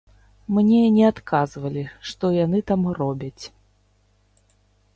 Мне не адказвалі, што яны там робяць.